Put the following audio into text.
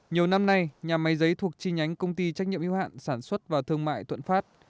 nhiều năm nay nhà máy giấy thuộc chi nhánh công ty trách nhiệm yếu hạn sản xuất và thương mại thuận phát